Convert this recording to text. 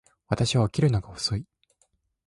私は起きるのが遅い